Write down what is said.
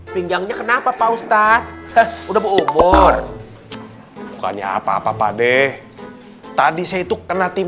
pinggangnya kenapa pak ustadz udah berumur bukannya apa apa pak deh tadi saya itu kena tim